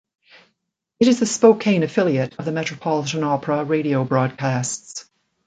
It is the Spokane affiliate of the Metropolitan Opera radio broadcasts.